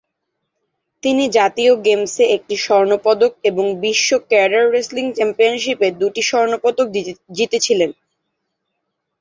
তিনি জাতীয় গেমসে একটি স্বর্ণপদক এবং বিশ্ব ক্যাডেট রেসলিং চ্যাম্পিয়নশিপে দুটি স্বর্ণপদক জিতেছিলেন।